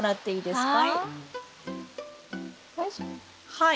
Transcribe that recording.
はい。